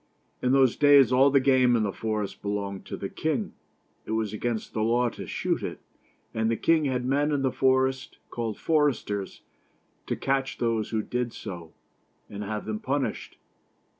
In those days all the game in the forest belonged to the king; it was against the law to shoot it; and the king had men in the forest, called foresters, to catch those who did so and have them punished.